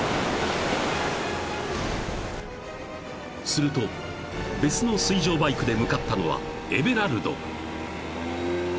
［すると別の水上バイクで向かったのはエヴェラルド］